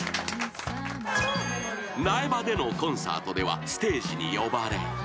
［苗場でのコンサートではステージに呼ばれ］